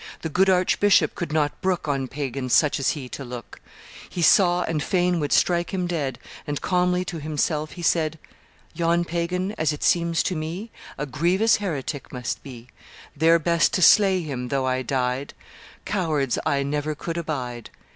... The good archbishop could not brook On pagan such as he to look; He saw and fain would strike him dead, And calmly to himself he said, 'Yon pagan, as it seems to me, A grievous heretic must be; 'There best to slay him, though I died; Cowards I never could abide.